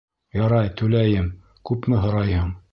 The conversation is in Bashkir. Ярай, түләйем, күпме һорайһың?